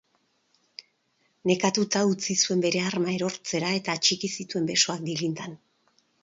Nekatuta, utzi zuen bere arma erortzera eta atxiki zituen besoak dilindan.